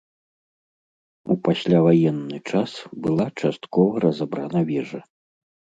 У пасляваенны час была часткова разабрана вежа.